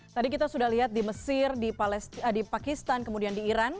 tadi kita sudah lihat di mesir di pakistan kemudian di iran